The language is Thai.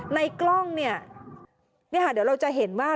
ในกล้องเนี่ยเดี๋ยวเราจะเห็นว่า